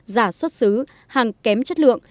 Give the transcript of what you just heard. giả xuất xứ hàng kém chất lượng